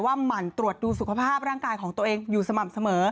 หมั่นตรวจดูสุขภาพร่างกายของตัวเองอยู่สม่ำเสมอ